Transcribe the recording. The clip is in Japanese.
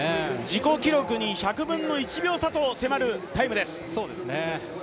自己記録に１００分の１秒差と迫るタイムです。